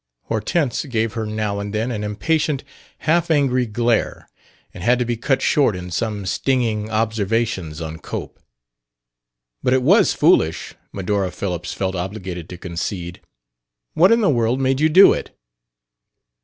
Hortense gave her now and then an impatient, half angry glare, and had to be cut short in some stinging observations on Cope. "But it was foolish," Medora Phillips felt obliged to concede. "What in the world made you do it?"